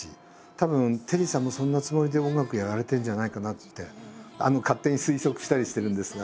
たぶんテリーさんもそんなつもりで音楽やられてるんじゃないかなって勝手に推測したりしてるんですが。